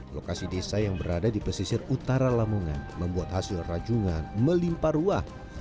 lokasi desa yang berada di pesisir utara lamongan membuat hasil rajungan melimpa ruah